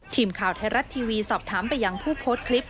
ทีมข่าวไทยรัฐทีวีสอบถามไปยังผู้โพสต์คลิป